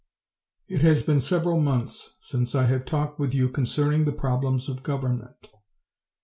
It has been several months since I have talked with you concerning the problems of government.